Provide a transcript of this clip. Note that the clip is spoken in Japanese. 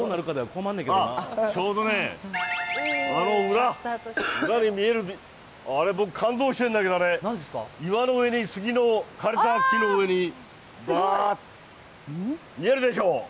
ちょうどね、あの裏、裏に見えるあれ感動してるんだけど、岩の上に、杉の枯れた木の上に見えるでしょ？